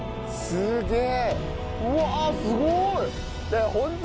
すげえ！